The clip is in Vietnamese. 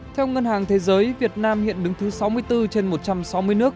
theo ngân hàng thế giới việt nam hiện đứng thứ sáu mươi bốn trên một trăm sáu mươi nước